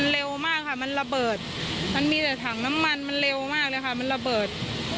เร็วมากค่ะมันระเบิดมันมีแต่ถังน้ำมันมันเร็วมากเลยค่ะมันระเบิด